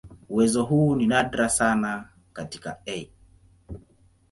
Uwezo huu ni nadra sana katika "E.